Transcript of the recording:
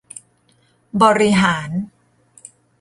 บริหาร